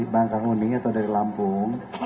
bangkang uni atau dari lampung